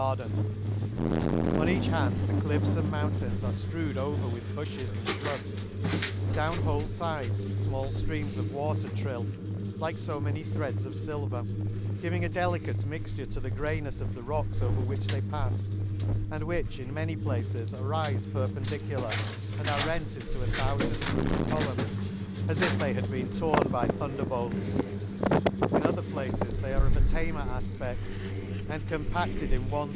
— On each hand the cliffs and moun^ tains are ftrewed over with bufhes and fhrubs, down whofe fides fmall flreams of water trill, like fo many threads of filver, giving a delicate mixture to the greynefs of the rocks over which they palled, and which in many places arife perpendicular, and are rent into a thou fand rude columns, as if they had been torn by thunderbolts ; in other places they are of a tamer afped, and compared in * Mafon's Garden, the Lakes.